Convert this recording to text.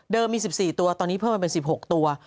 มี๑๔ตัวตอนนี้เพิ่มมาเป็น๑๖ตัว